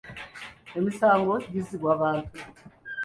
Emisango gizzibwa bantu.